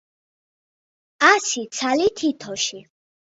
ასი ცალი თითოში.